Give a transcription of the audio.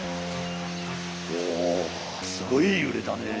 おおすごいゆれだね。